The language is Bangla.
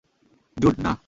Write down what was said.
জুড, না!